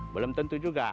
belum tentu juga